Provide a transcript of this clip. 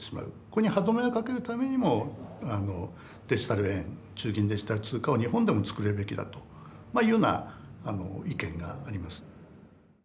これに歯止めをかけるためにもデジタル円中銀デジタル通貨は日本でも作るべきだというような意見があります。